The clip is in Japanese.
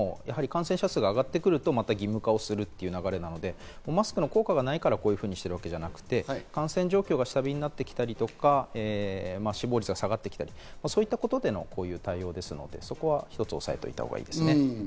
各国も感染者数が上がってくると、また義務化をする流れなので、マスクの効果がないから、こういうふうにしているわけではなく、感染状況が下火になってきたということでの対応ですので、そこは一つ押さえておいたほうがいいですね。